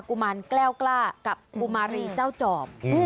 ุมารแก้วกล้ากับกุมารีเจ้าจอบ